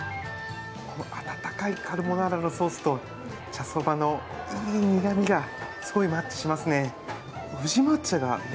温かいカルボナーラのソースと茶そばのいい苦みがすごいマッチしますね。